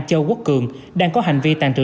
châu quốc cường đang có hành vi tàn trữ